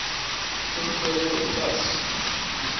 Tôtôgô i bas.